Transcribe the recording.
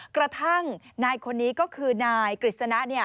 กระทั่งนายคนนี้ก็คือนายกฤษณะ